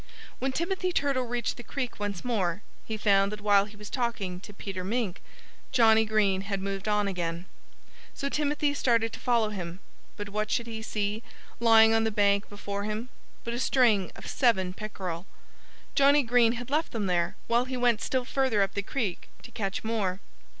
When Timothy Turtle reached the creek once more he found that while he was talking to Peter Mink, Johnnie Green had moved oh again. So Timothy started to follow him. But what should he see, lying on the bank right before him, but a string of seven pickerel! Johnnie Green had left them there, while he went still further up the creek to catch more.